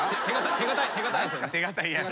手堅いやつ。